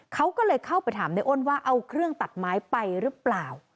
เขาก็เลยเข้าไปถามในอ้นว่าเอาเครื่องตัดไม้ไปหรือเปล่า